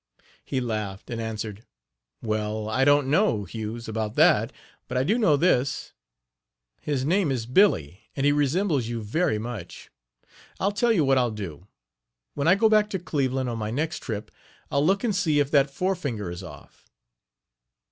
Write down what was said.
" He laughed and answered: "Well, I don't know, Hughes, about that; but I do know this: His name is Billy and he resembles you very much. I'll tell you what I'll do, when I go back to Cleveland on my next trip I'll look and see if that fore finger is off.